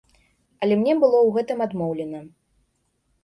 Але мне было ў гэтым адмоўлена.